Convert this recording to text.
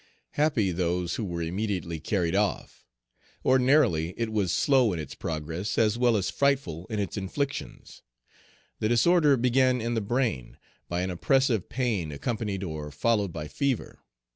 Happy those who were immediately carried off! Ordinarily it was slow in its progress as well as frightful in its inflictions. The disorder began in the brain, by an oppressive pain accompanied or followed by fever.